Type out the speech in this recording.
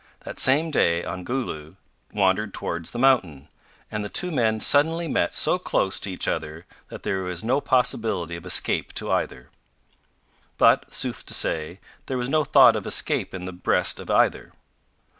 That same day Ongoloo wandered towards the mountain, and the two men suddenly met so close to each other that there was no possibility of escape to either. But, sooth to say, there was no thought of escape in the breast of either.